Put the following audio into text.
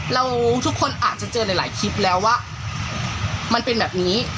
เราทุกคนอาจจะเจอหลายคลิปแล้วว่ามันเป็นแบบนี้